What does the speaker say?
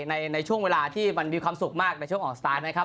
ในช่วงเวลาที่มันมีความสุขมากในช่วงออกสไตล์นะครับ